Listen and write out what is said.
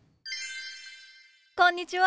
こんにちは。